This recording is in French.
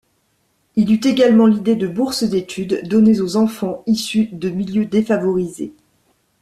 Il eut également l'idée de bourses d'études, données aux enfants issus de milieux défavorisés.